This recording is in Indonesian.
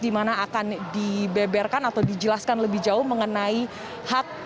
di mana akan dibeberkan atau dijelaskan lebih jauh mengenai hak